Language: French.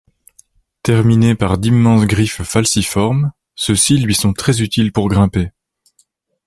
Terminés par d'immenses griffes falciformes, ceux-ci lui sont très utiles pour grimper.